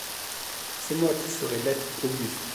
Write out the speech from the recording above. C’est moi qui serais l’être auguste